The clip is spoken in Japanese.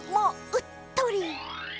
うっとり！